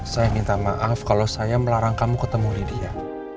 saya juga minta maaf kalau saya melarang kamu ketemu lydia